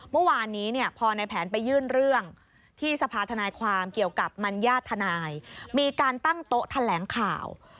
เมื่อวานนี้เนี่ยพอในแผนไปยื่นเรื่องที่สภาธนายความเกี่ยวกับมัญญาติทนายมีการตั้งโต๊ะแถลงข่าว